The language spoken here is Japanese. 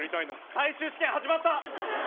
最終試験始まった！